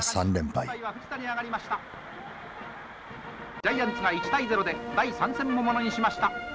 ジャイアンツが１対０で第３戦もものにしました。